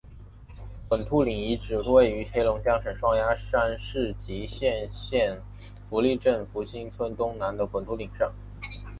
滚兔岭遗址位于黑龙江省双鸭山市集贤县福利镇福兴村东南的滚兔岭上。